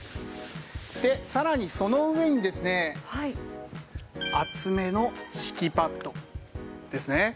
でさらにその上にですね厚めの敷きパッドですね。